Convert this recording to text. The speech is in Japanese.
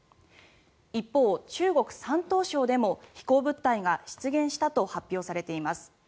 一方、中国・山東省でも飛行物体が出現したと発表されています。